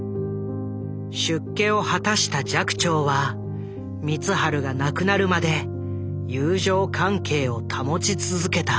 出家を果たした寂聴は光晴が亡くなるまで友情関係を保ち続けた。